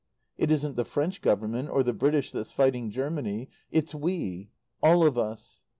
It isn't the French Government, or the British that's fighting Germany; it's we all of us.